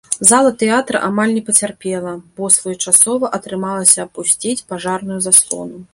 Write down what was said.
Зала тэатра амаль не пацярпела, бо своечасова атрымалася апусціць пажарную заслону.